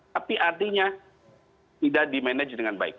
tapi artinya tidak dimanage dengan baik